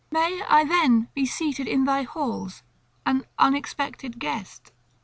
May I then be seated in thy halls, an unexpected guest!"